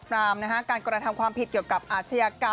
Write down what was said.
รามการกระทำความผิดเกี่ยวกับอาชญากรรม